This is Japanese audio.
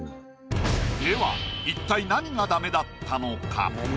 では一体何がダメだったのか？